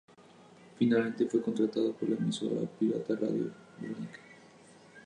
Finalmente fue contratado por la emisora pirata Radio Veronica.